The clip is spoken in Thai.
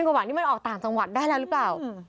กว่าวันนี้มันออกต่างจังหวัดได้แล้วหรือเปล่า